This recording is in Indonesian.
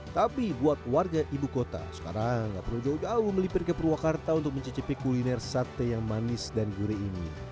tapi buat warga ibu kota sekarang nggak perlu jauh jauh melipir ke purwakarta untuk mencicipi kuliner sate yang manis dan gurih ini